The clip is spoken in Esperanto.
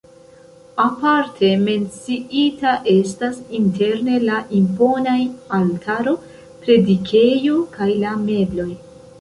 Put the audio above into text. Aparte menciita estas interne la imponaj altaro, predikejo kaj la mebloj.